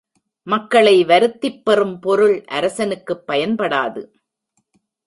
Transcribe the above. மக்களை வருத்திப் பெறும் பொருள் அரசனுக்குப் பயன்படாது.